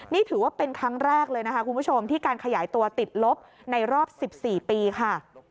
นี่ถือว่าเป็นครั้งแรกเลยนะคะคุณผู้ชมที่การขยายตัวติดลบในรอบ๑๔ปีค่ะ